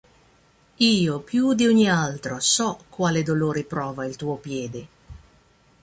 Io più di ogni altro so quale dolore prova il tuo piede.